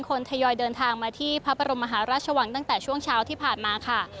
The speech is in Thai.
ทยอยเดินทางมาที่พระบรมมหาราชวังตั้งแต่ช่วงเช้าที่ผ่านมาค่ะ